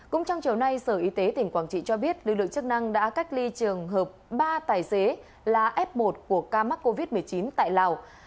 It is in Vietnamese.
cũng trong chiều nay sở y tế tỉnh quảng trị cho biết lực lượng chức năng đã cách ly trường hợp ba tài xế là f một của ca mắc covid một mươi chín tại lào